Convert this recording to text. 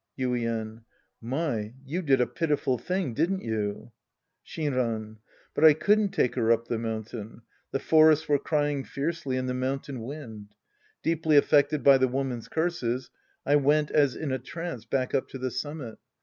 Yiiien. My, you did a pitiful thing, didn't you ? Shinran. But I couldn't take her up the mountain. The forests were crying fiercely in the mountain wind. Deeply affected by the woman's curses, I went as in a trance back up to the summit.